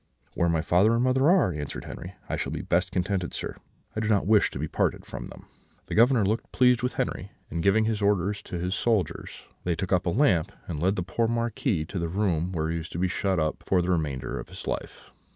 "'Where my father and mother are,' answered Henri, 'I shall be best contented, sir; I do not wish to be parted from them.' "The Governor looked pleased with Henri; and giving his orders to his soldiers, they took up a lamp, and led the poor Marquis to the room where he was to be shut up for the remainder of his life.